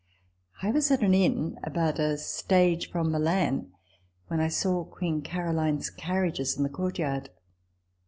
I was at an inn about a stage from Milan, when I saw Queen Caro line's carriages in the courtyard.